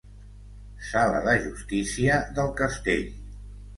Sala de justícia del castell.